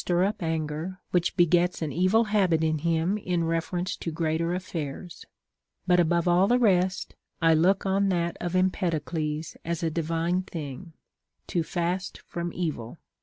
CONCERNING THE CURE OF ANGER. 59 up anger, which begets an evil habit in him in reference to greater affairs. But above all the rest, I look on that of Empedocles as a divine thing, '' To fast from evil."